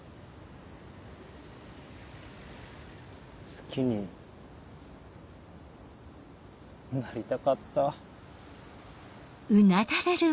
好きになりたかった。